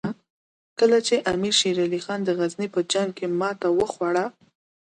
کله چې امیر شېر علي خان د غزني په جنګ کې ماته وخوړه.